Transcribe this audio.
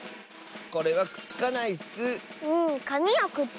これはくっつかないッス！